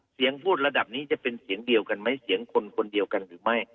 เสียงพูดระดับนี้จะเป็นเสียงเดียวกันไหมเสียงคนคนเดียวกันหรือไม่